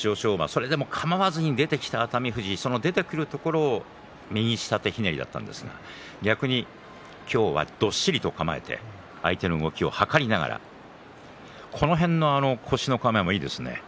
それでもかまわずに出てきた熱海富士出て来るところを右下手ひねりだったんですが逆に今日はどっしりと構えて相手の動きを測りながらこの辺の腰の構えもいいですね。